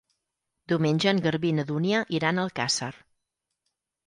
Diumenge en Garbí i na Dúnia iran a Alcàsser.